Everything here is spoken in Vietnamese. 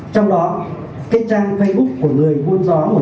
trong đó cái trang facebook của người